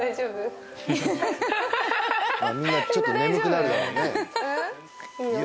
みんなちょっと眠くなるだろうね